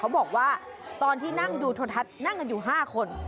เขาบอกว่าตอนที่นั่งดูโททัศน์นั่งอยู่ห้าคน